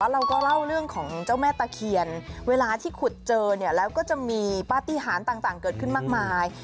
เราก็เล่าเรื่องของเจ้าแม่ตะเคียนเวลาที่ขุดเจอเนี่ยแล้วก็จะมีปฏิหารต่างเกิดขึ้นมากมาย